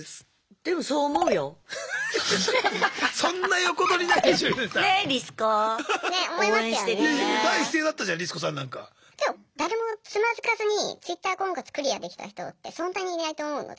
でも誰もつまずかずにＴｗｉｔｔｅｒ婚活クリアできた人ってそんなにいないと思うので。